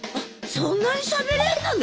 そんなにしゃべれんのね！